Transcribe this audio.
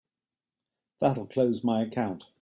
That'll close my account.